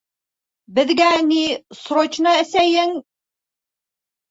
Беҙгә, ни, срочно әсәйең...